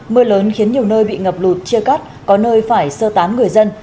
mưa lớn khiến nhiều nơi bị ngập lụt chia cắt có nơi phải sơ tán người dân